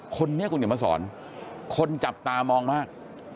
คนนี้คุณเดี๋ยวมาสอนคนจับตามองมาก